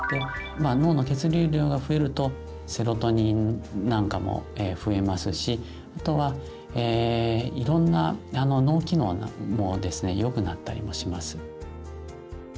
脳の血流量が増えるとセロトニンなんかも増えますしあとはいろんな脳機能もですねよくなったりもします。